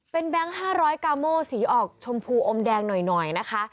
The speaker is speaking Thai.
เป็นแบงค์๕๐๐กาโมสีออกชมพูอมแดงหน่อยนะคะ